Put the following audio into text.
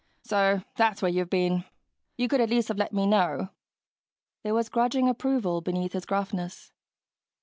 So that's where you've been. You could at least have let me know." There was grudging approval beneath his gruffness.